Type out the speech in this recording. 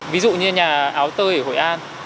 ví dụ như nhà áo tư ở hội an